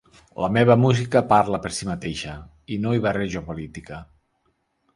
La meva música parla per si mateixa, i no hi barrejo política.